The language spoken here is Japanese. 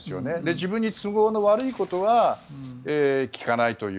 自分に都合の悪いことは聞かないという。